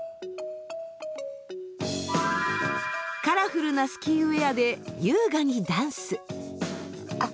カラフルなスキーウエアで優雅にダンス。